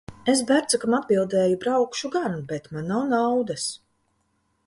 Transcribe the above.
Es Bercukam atbildēju: Braukšu gan, bet man nav naudas.